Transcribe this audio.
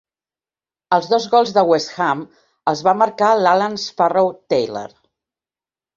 Els dos gols del West Ham els va marcar l'Alan 'Sparrow' Taylor.